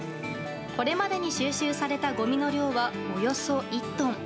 これまでに収集されたごみの量は、およそ１トン。